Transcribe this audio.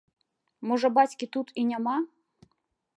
Можа, бацькі тут і няма?